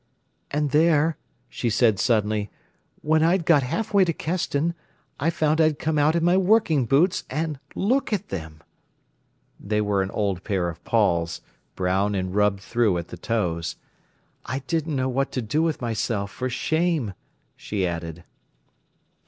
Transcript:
"And there," she said suddenly, "when I'd got halfway to Keston, I found I'd come out in my working boots—and look at them." They were an old pair of Paul's, brown and rubbed through at the toes. "I didn't know what to do with myself, for shame," she added.